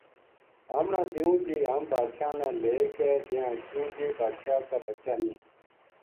ہمنا دیوں جی ہم بادشاہ نا لے کے دیاں کیوں جی بادشاہ کا بچہ نیہہ